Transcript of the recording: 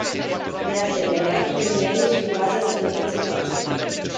De asemenea, fermierii sunt baza sănătății noastre.